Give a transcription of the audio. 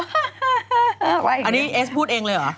อันนี้เอสพูดเองเลยเหรอ